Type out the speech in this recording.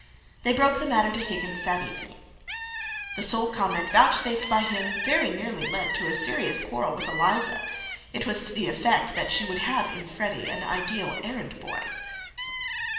They broke the matter to Higgins that evening. The sole comment vouchsafed by him very nearly led to a serious quarrel with Eliza. It was to the effect that she would have in Freddy an ideal errand boy.